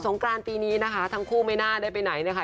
กรานปีนี้นะคะทั้งคู่ไม่น่าได้ไปไหนนะคะ